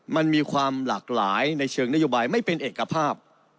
มันมีความหลากหลายในเชิงนโยบายไม่เป็นเอกภาพ